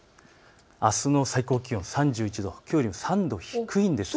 あすの最高気温、３１度、きょうよりも３度低いんです。